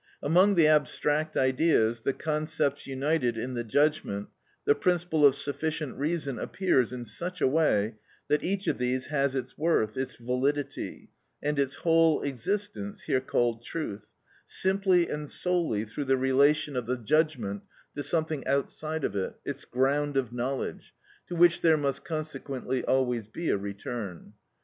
Among the abstract ideas, the concepts united in the judgment, the principle of sufficient reason appears in such a way that each of these has its worth, its validity, and its whole existence, here called truth, simply and solely through the relation of the judgment to something outside of it, its ground of knowledge, to which there must consequently always be a return.